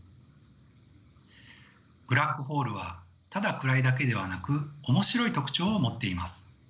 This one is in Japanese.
ブラックホールはただ暗いだけではなく面白い特徴を持っています。